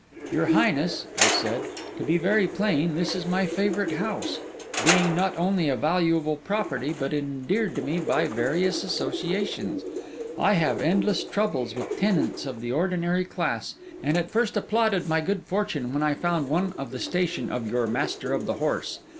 'Your highness,' I said, 'to be very plain, this is my favourite house, being not only a valuable property, but endeared to me by various associations. I have endless troubles with tenants of the ordinary class: and at first applauded my good fortune when I found one of the station of your Master of the Horse.